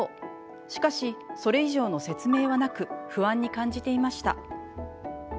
しかし、それ以上の説明はなく不安に感じていました。